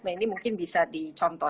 nah ini mungkin bisa dicontoh